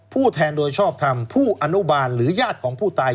ผู้แทนโดยชอบทำผู้อนุบาลหรือญาติของผู้ตาย